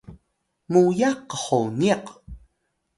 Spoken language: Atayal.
muyax qhoniq